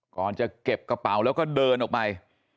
ก่อนจะเก็บกระเป๋าแล้วก็เดินออกไป